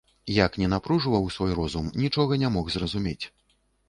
Як ні напружваў свой розум, нічога не мог зразумець.